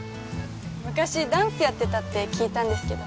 昔ダンスやってたって聞いたんですけど。